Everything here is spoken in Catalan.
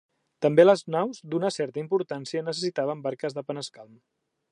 També les naus d’una certa importància necessitaven barques de panescalm.